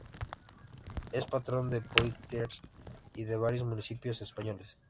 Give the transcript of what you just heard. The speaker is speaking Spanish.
Es patrón de Poitiers y de varios municipios españoles.